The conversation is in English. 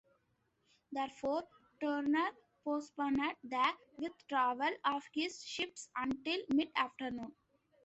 Therefore, Turner postponed the withdrawal of his ships until mid-afternoon.